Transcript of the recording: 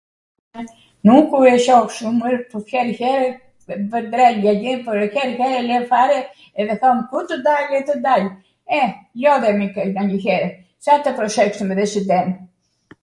nuku e shoh shum mir, po her her vwndrenj njw libwr, her her e lw fare edhe thom ku tw dal le tw dal, e, lodhemi nganjwher, Ca tw prosekswm dhe sit er[???]...